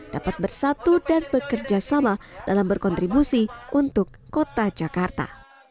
dapat bersatu dan bekerjasama dalam berkontribusi untuk kota jakarta